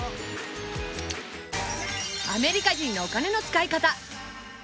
アメリカ人のお金の使い方